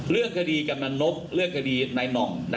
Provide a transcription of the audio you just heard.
เรื่องข้อดีกำลังนมเรื่องข้อดีในน่อง